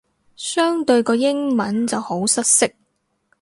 相對個英文就好失色